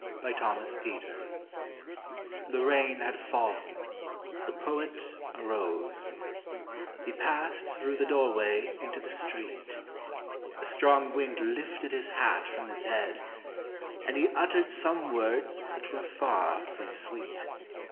THE POET'S HAT The rain had fallen, the Poet arose, He passed through the doorway into the street, A strong wind lifted his hat from his head, And he uttered some words that were far from sweet.